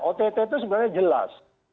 ott itu sebenarnya jelas